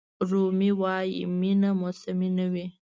رومي وایي مینه موسمي نه وي.